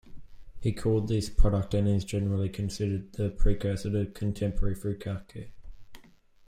He called this product and is generally considered the precursor to contemporary furikake.